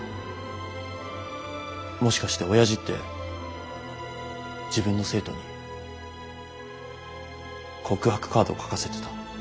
もしかして親父って自分の生徒に告白カードを書かせてた？